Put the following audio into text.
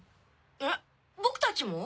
えっ僕たちも？